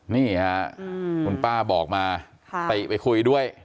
นี่ค่ะคุณป้าบอกมาติไปคุยด้วย